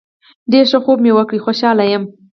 ډیر ښه خوب مې وکړ خوشحاله یم